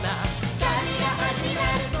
「旅が始まるぞ！」